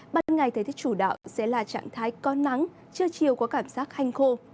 ban ngày thời tiết chủ đạo sẽ là trạng thái có nắng trưa chiều có cảm giác hanh khô